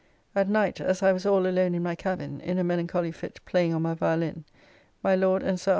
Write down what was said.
At night as I was all alone in my cabin, in a melancholy fit playing on my viallin, my Lord and Sir R.